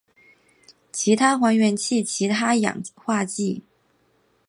其他还原器其他氧化剂